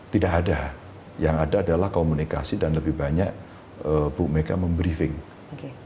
tidak ada yang ada adalah komunikasi dan lebih banyak bumk memberi briefing oke